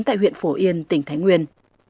tại huyện phổ yên tỉnh thái nguyên